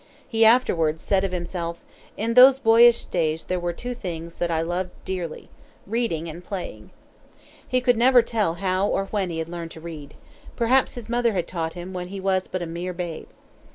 He afterwards said of himself: "In those boyish days there were two things that I dearly loved reading and playing." He could never tell how or when he had learned to read. Perhaps his mother had taught him when he was but a mere babe.